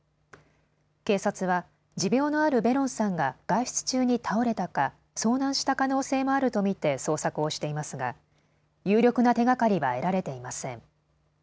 警察は持病のあるベロンさんが外出中に倒れたか遭難した可能性もあると見て捜索をしていますが、有力な手がかりは得られていません。